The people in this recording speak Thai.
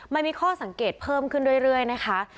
มันมีข้อสังเกตเพิ่มขึ้นเรื่อยนะคะ